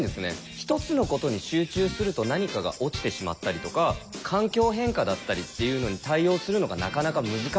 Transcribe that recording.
１つのことに集中すると何かが落ちてしまったりとか環境変化だったりっていうのに対応するのがなかなか難しかったり。